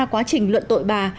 quá trình luận tội bà